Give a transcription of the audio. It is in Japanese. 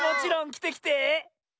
きてきて。